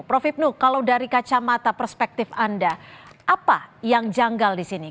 prof ibnu kalau dari kacamata perspektif anda apa yang janggal di sini